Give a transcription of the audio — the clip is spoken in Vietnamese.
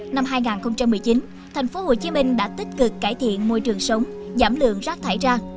năm hai nghìn một mươi chín thành phố hồ chí minh đã tích cực cải thiện môi trường sống giảm lượng rác thải ra